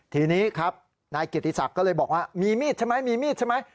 ทีนี้ครับนายเกียรติศักดิ์ก็เลยบอกว่ามีมีดใช่ไหมมีมีดใช่ไหม